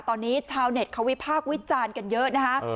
ตอนนี้ชาวเน็ตเขาวิพากษ์วิจารณ์กันเยอะนะคะ